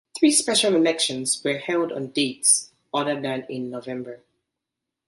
Three special elections were held on dates other than in November.